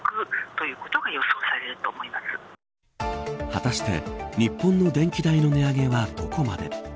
果たして日本の電気代の値上げはどこまで。